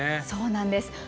そうなんです。